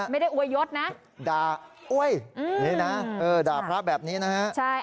ไม่ได้อวยยศนะด่าอวยอืมนี่นะเออด่าพระแบบนี้นะฮะใช่